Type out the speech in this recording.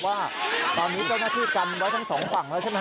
ก็จะถึงประตูหรือว่าตอนนี้เจ้าหน้าที่กันไว้ทั้งสองฝั่งแล้วใช่มั้ยครับ